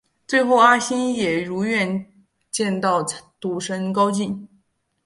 最后阿星也如愿见到赌神高进。